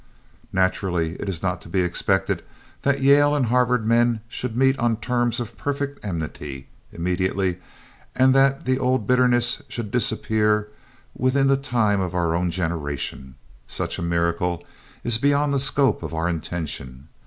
Naturally, it is not to be expected that Yale and Harvard men should meet on terms of perfect amity immediately and that the old bitterness should disappear within the time of our own generation. Such a miracle is beyond the scope of our intention.